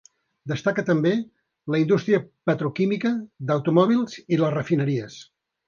Destaca també la indústria petroquímica, d'automòbils i les refineries.